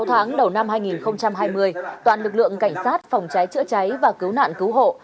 sáu tháng đầu năm hai nghìn hai mươi toàn lực lượng cảnh sát phòng cháy chữa cháy và cứu nạn cứu hộ